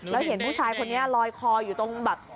แล้วเห็นผู้ชายคนนี้ลอยคออยู่ตรงแบบ